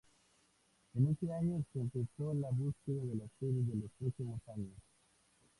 En ese año se empezó la búsqueda de la sede de los próximos años.